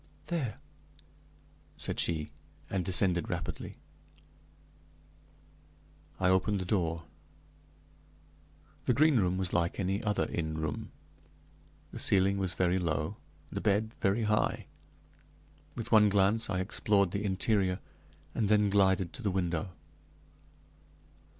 "There," said she, and descended rapidly. I opened the door. The Green Room was like any other inn room. The ceiling was very low, the bed very high. With one glance I explored the interior, and then glided to the window.